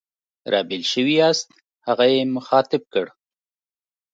را بېل شوي یاست؟ هغه یې مخاطب کړ.